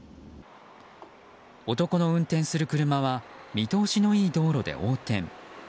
男の運転する車は見通しのいい道路で横転。